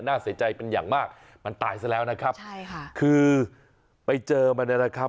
น่าเสียใจเป็นอย่างมากมันตายซะแล้วนะครับใช่ค่ะคือไปเจอมันเนี่ยนะครับ